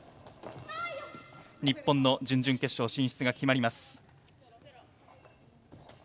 日本の準々決勝進出が決まります。